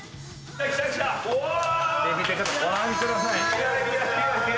ご覧ください。